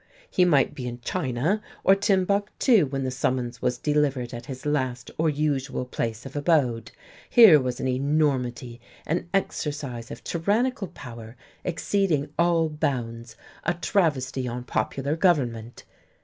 He might be in China, in Timbuctoo when the summons was delivered at his last or usual place of abode. Here was an enormity, an exercise of tyrannical power exceeding all bounds, a travesty on popular government....